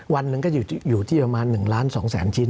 วันหนึ่งก็อยู่ที่ประมาณ๑ล้าน๒แสนชิ้น